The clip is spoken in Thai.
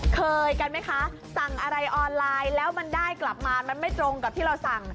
เคยกันไหมคะสั่งอะไรออนไลน์แล้วมันได้กลับมามันไม่ตรงกับที่เราสั่ง